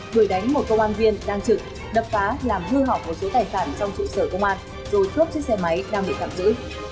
đuổi đánh một công an viên đang trực đập phá làm hư hỏng một số tài sản trong trụ sở công an rồi cướp chiếc xe máy đang bị tạm giữ